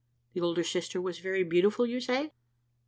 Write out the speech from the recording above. The older sister was very beautiful you say?"